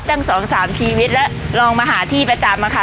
ตั้ง๒๓ชีวิตแล้วลองมาหาที่ประจำอะค่ะ